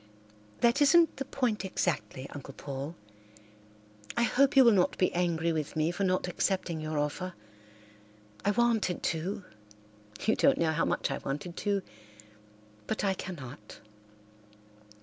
"That isn't the point exactly, Uncle Paul. I hope you will not be angry with me for not accepting your offer. I wanted to—you don't know how much I wanted to—but I cannot.